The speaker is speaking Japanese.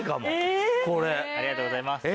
ありがとうございます。